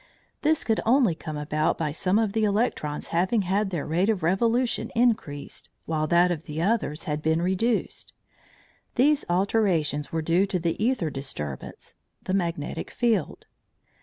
This could only come about by some of the electrons having had their rate of revolution increased, while that of others had been reduced. These alterations were due to the æther disturbance (the magnetic field).